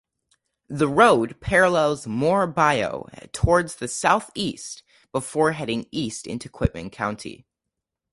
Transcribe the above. The road parallels Moore Bayou towards the southeast before heading east into Quitman County.